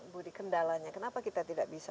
budi kendalanya kenapa kita tidak bisa